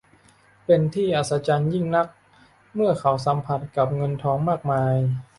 เป็นที่อัศจรรย์ยิ่งนัก มือเขาสัมผัสกับเงินทองมากมาย